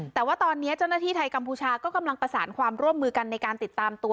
แต่ว่าตอนนี้เจ้าหน้าที่ไทยกัมพูชาก็กำลังประสานความร่วมมือกันในการติดตามตัว